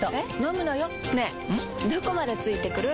どこまで付いてくる？